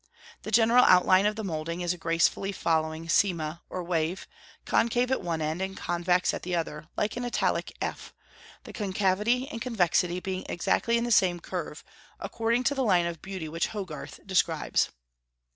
The general outline of the moulding is a gracefully flowing cyma, or wave, concave at one end and convex at the other, like an Italic f, the concavity and convexity being exactly in the same curve, according to the line of beauty which Hogarth describes.